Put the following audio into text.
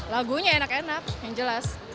lagunya enak enak yang jelas